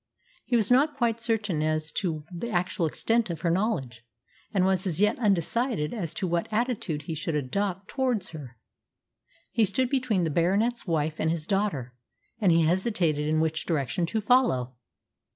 He was not quite certain as to the actual extent of her knowledge, and was as yet undecided as to what attitude he should adopt towards her. He stood between the Baronet's wife and his daughter, and hesitated in which direction to follow.